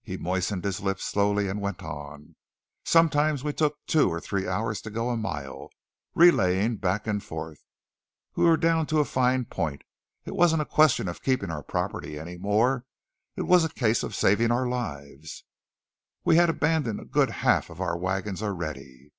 He moistened his lips slowly, and went on. "Sometimes we took two or three hours to go a mile, relaying back and forth. We were down to a fine point. It wasn't a question of keeping our property any more; it was a case of saving our lives. We'd abandoned a good half of our wagons already.